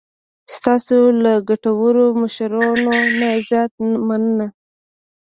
ستاسو له ګټورو مشورو نه زیاته مننه.